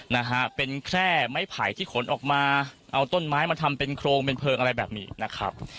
นะฮะเป็นแค่ไม้ไผ่ที่ขนออกมาเอาต้นไม้มาทำเป็นโครงเป็นเพลิงอะไรแบบนี้นะครับ